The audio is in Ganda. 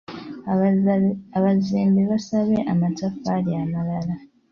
Abazimbi baasabye amataffaali amalala.